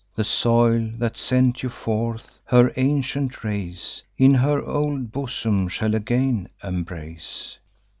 The soil that sent you forth, her ancient race In her old bosom shall again embrace.